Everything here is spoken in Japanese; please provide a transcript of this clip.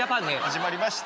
始まりまして。